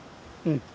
うん。